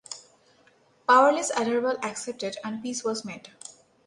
Powerless Adherbal accepted and peace was made.